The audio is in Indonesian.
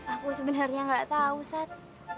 aku sebenernya gak tau sat